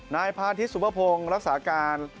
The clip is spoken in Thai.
นายพาทิศสุภพงศ์รักษาการ